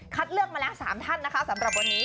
เลือกมาแล้ว๓ท่านนะคะสำหรับวันนี้